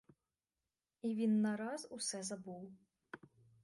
І він нараз усе забув.